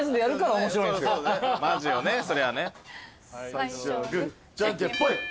最初はグーじゃんけんぽい。